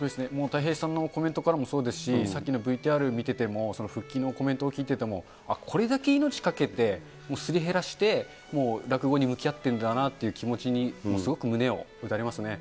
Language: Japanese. たい平さんのコメントからもそうですし、さっきのＶＴＲ見てても、復帰のコメントを聞いてても、これだけ命懸けて、もうすり減らして、落語に向き合ってるんだなという気持ちに、すごく胸を打たれますね。